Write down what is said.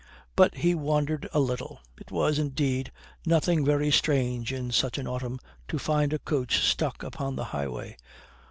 But he wondered a little. It was indeed nothing very strange in such an autumn to find a coach stuck upon the highway.